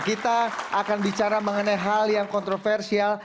kita akan bicara mengenai hal yang kontroversial